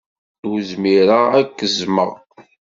Ur zmireɣ ad k-zzmeɣ.